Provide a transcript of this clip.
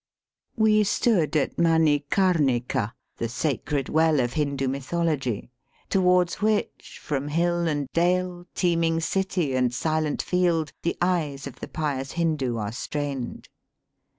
We stood at Manikamika, the sacred well of Hindoo mythology, towards which, from hiU and dale, teeming city and silent field, the eyes of the pious Hindoo are strained.